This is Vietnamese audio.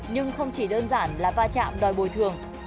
nhưng không chỉ đơn giản là va chạm đòi bồi thường